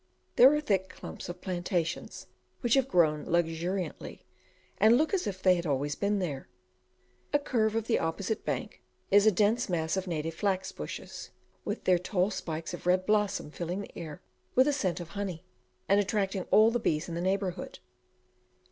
There are thick clumps of plantations, which have grown luxuriantly, and look as if they had always been there. A curve of the opposite bank is a dense mass of native flax bushes, with their tall spikes of red blossom filling the air with a scent of honey, and attracting all the bees in the neighbourhood.